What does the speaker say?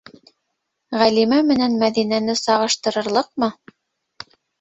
Ғәлимә менән Мәҙинәне сағыштырырлыҡмы?